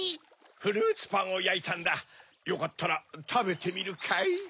フルーツパンをやいたんだよかったらたべてみるかい？